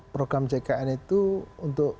program jkn itu untuk